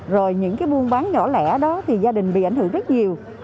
rồi những cái buôn bán nhỏ lẻ đó thì gia đình bị ảnh hưởng rất nhiều